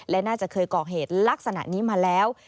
และน่าจะเคยก่อเหตุลักษณะนี้มาแล้ว